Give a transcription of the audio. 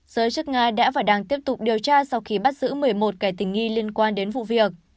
giới chức nga đã và đang tiếp tục điều tra sau khi bắt giữ một mươi một kẻ tình nghi liên quan đến vụ việc